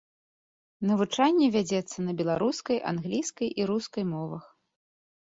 Навучанне вядзецца на беларускай, англійскай і рускай мовах.